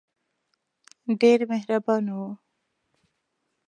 ډېر مهربانه وو.